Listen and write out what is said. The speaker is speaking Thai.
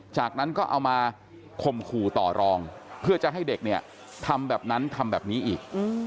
จากนั้นก็เอามาข่มขู่ต่อรองเพื่อจะให้เด็กเนี่ยทำแบบนั้นทำแบบนี้อีก